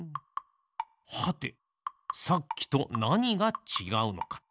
はてさっきとなにがちがうのか。